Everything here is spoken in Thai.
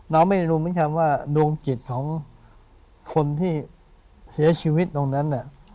เราไม่รู้เหมือนกันว่าดวงจิตของคนที่เสียชีวิตตรงนั้น